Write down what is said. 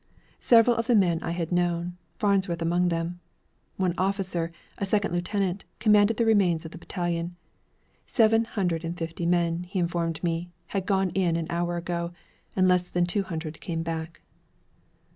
Several of the men I had known, Farnsworth among them. One officer, a second lieutenant, commanded the remains of the battalion. Seven hundred and fifty men, he informed me, had gone in an hour ago, and less than two hundred came back.